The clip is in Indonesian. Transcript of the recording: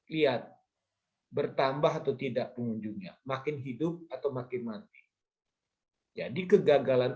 lihat bertambah ke tidak pengunjungnya makin hidup atau makin manis hai jadi kegagalan